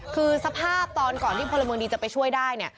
คือสภาพตอนก่อนที่พลเมืองดีจะไปช่วยได้เนี่ย